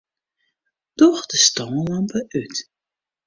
Doch de stânlampe út.